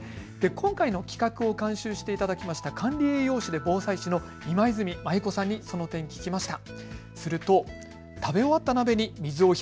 今回の企画を監修していただきました管理栄養士で防災士の今泉マユ子さんにその点、聞きました。